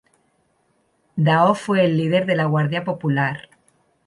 Dao fue el líder de la Guardia Popular.